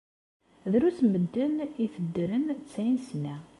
Drus n medden i iteddren tesɛin sna.